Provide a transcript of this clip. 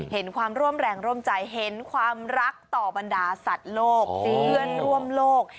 เห็นความร่วมแรงร่วมใจเห็นความรักต่อบรรดาสัตว์โลกเพื่อนร่วมโลก